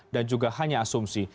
dan juga hanya asumsi